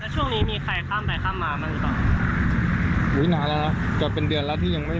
ช่วงนี้ใครข้ามไปข้ามมา